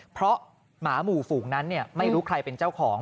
เพราะหมาหมู่ฝูงนั้นไม่รู้ใครเป็นเจ้าของ